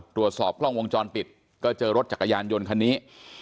ตรวจสอบกล้องวงจรปิดก็เจอรถจักรยานยนต์คันนี้